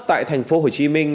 tại thành phố hồ chí minh